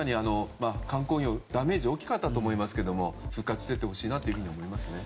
観光業、ダメージが大きかったと思いますが復活していってほしいなと思いますね。